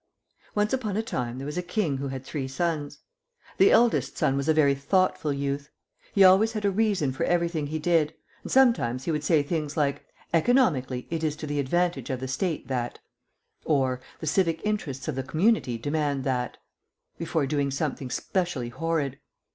_ Once upon a time there was a King who had three sons. The eldest son was a very thoughtful youth. He always had a reason for everything he did, and sometimes he would say things like "Economically it is to the advantage of the State that " or "The civic interests of the community demand that " before doing something specially horrid.